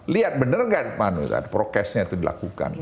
lihat bener nggak pak prokesnya itu dilakukan